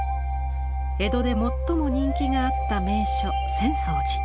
江戸で最も人気があった名所浅草寺。